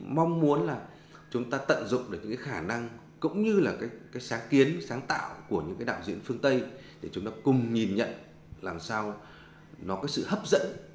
mong muốn là chúng ta tận dụng được những cái khả năng cũng như là cái sáng kiến sáng tạo của những cái đạo diễn phương tây để chúng ta cùng nhìn nhận làm sao nó có sự hấp dẫn